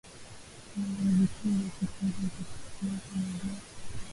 ya vituo vya kifedha vya kisiasa na vya